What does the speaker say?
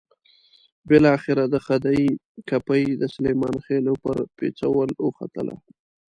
بالاخره د خدۍ کپۍ د سلیمان خېلو پر پېڅول وختله.